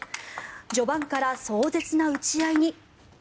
序盤から壮絶な打ち合いに。